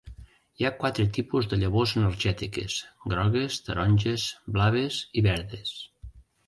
Hi ha quatre tipus de llavors energètiques: grogues, taronges, blaves i verdes.